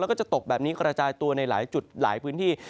แล้วก็จะตกแบบนี้กระจายตัวในหลายจุดหลายพื้นที่